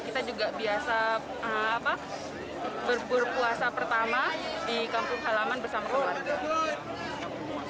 kita juga biasa berpuasa pertama di kampung halaman bersama keluarga